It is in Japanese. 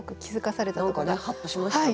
何かねはっとしましたね。